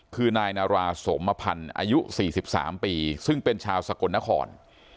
คือนายนาราสมพันธ์อายุ๔๓ปีซึ่งเป็นชาวสกลนคร